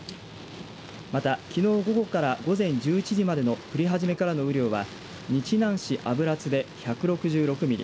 また、きのう午後から午前１１時までの降り始めからの雨量は日南市油津で１６６ミリ